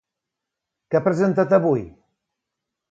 Què ha presentat avui?